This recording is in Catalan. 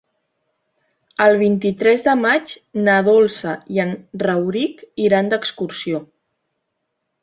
El vint-i-tres de maig na Dolça i en Rauric iran d'excursió.